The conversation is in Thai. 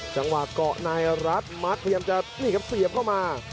จังหวะเกาะนายรัดมัดเตรียมจะเสียบเข้ามา